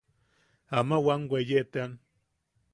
Ama wam weye tean.